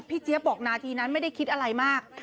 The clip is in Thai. เจี๊ยบบอกนาทีนั้นไม่ได้คิดอะไรมาก